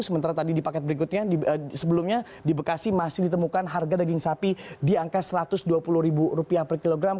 sementara tadi di paket berikutnya sebelumnya di bekasi masih ditemukan harga daging sapi di angka rp satu ratus dua puluh per kilogram